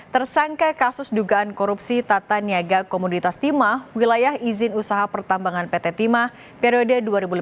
tersangka kasus dugaan korupsi tata niaga komoditas timah wilayah izin usaha pertambangan pt timah periode dua ribu lima belas dua ribu dua